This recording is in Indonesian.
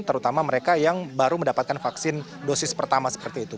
terutama mereka yang baru mendapatkan vaksin dosis pertama seperti itu